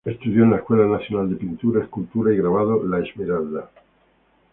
Estudió en la Escuela Nacional de Pintura, Escultura y Grabado "La Esmeralda".